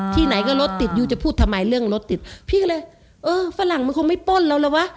ที่ไหนก็รถติดอยู่จะพูดทำไมเรื่องรถติดพี่ก็เลยเออฝรั่งมันคงไม่ป้นเราแล้ววะ